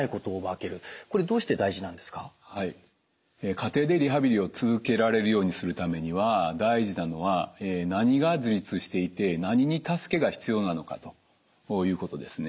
家庭でリハビリを続けられるようにするためには大事なのは何が自立していて何に助けが必要なのかということですね。